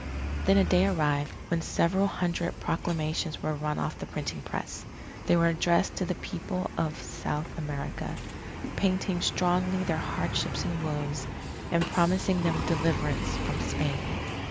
Then a day arrived when several hundred proclamations were run off the printing press. They were addressed to the People of South America, painting strongly their hardships and woes, and promising them deliverance from Spain.